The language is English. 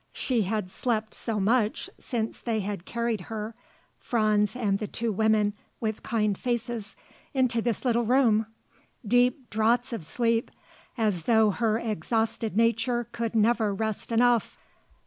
She had slept so much since they had carried her, Franz, and the two women with kind faces, into this little room; deep draughts of sleep, as though her exhausted nature could never rest enough.